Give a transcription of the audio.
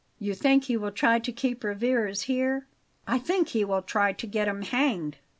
"You think he will try to keep Rivarez here?" "I think he will try to get him hanged."